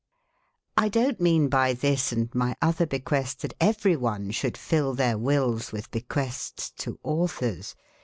I don't mean by this and my other bequest that everyone should fill their Wills with bequests to authors.